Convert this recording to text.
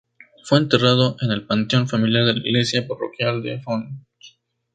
Fue enterrado en el panteón familiar de la iglesia parroquial de Fonz.